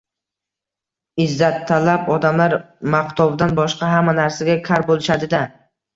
Izzattalab odamlar maqtovdan boshqa hamma narsaga kar bo‘lishadi-da.